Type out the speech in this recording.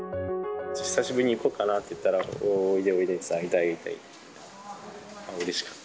久しぶりに行こうかなって言ったら、おいで、おいでって、会いたい、会いたいって。